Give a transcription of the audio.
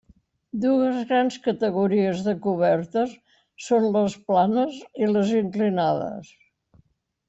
Dues grans categories de cobertes són les planes i les inclinades.